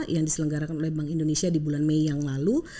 yang diselenggarakan oleh bank indonesia di bulan mei yang lalu